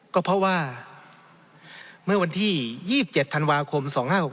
ก็เพราะว่าเมื่อวันที่๒๗ธันวาคม๒๕๖๖